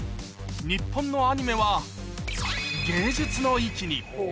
日本のアニメは芸術の域に。